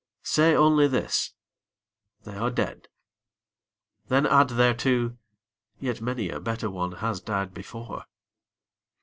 Say only this, " They are dead." Then add thereto, " Yet many a better one has died before."